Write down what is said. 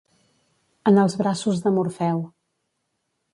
En els braços de Morfeu.